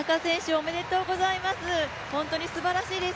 ありがとうございます。